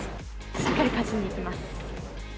しっかり勝ちにいきます。